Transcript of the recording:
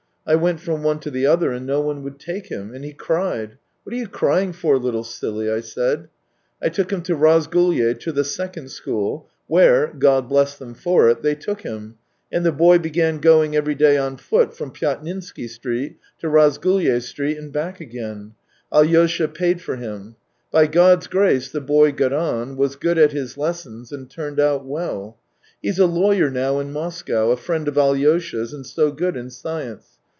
I went from one to the other, and no one would take him. And he cried. ...' What are you crying for, little silly ?' I said. I took him to Razgulyay to the second school, where — God bless them for it !— they took him. and the boy began going every day on foot from Pyat nitsky Street to Razgulyay Street and back again. ... Alyosha paid for him. ... By God's grace, the boy got on, was good at his lessons, and turned out well. ... He's a lawyer now in Moscow, a friend of Alyosha's, and so good in science.